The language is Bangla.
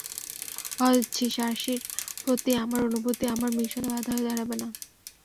কথা দিচ্ছি সার্সির প্রতি আমার অনুভূতি আমার মিশনে বাঁধা হয়ে দাঁড়াবে না।